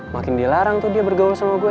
makin dilarang tuh dia bergaul sama gue